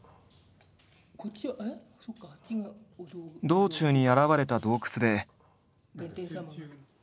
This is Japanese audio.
道中に現れた洞窟で。